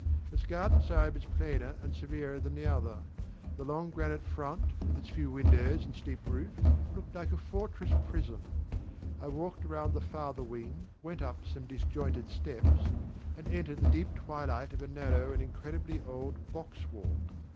Its garden side was plainer and severer than the other: the long granite front, with its few windows and steep roof, looked like a fortress prison. I walked around the farther wing, went up some disjointed steps, and entered the deep twilight of a narrow and incredibly old box walk.